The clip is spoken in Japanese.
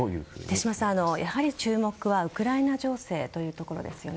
手嶋さん、やはり注目はウクライナ情勢ですよね。